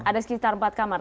ada sekitar empat kamar